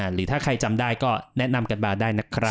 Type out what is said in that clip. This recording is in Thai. หรือถ้าใครจำได้ก็แนะนำกันมาได้นะครับ